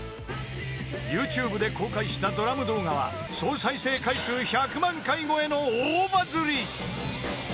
ＹｏｕＴｕｂｅで公開したドラム動画は総再生回数１００万回超えの大バズり］